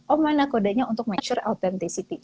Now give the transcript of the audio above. oh mana kodenya untuk make sure authenticity